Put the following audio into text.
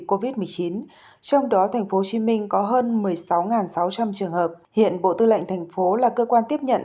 covid một mươi chín trong đó tp hcm có hơn một mươi sáu sáu trăm linh trường hợp hiện bộ tư lệnh thành phố là cơ quan tiếp nhận